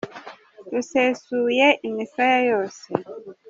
Rusesuye imisaya yose.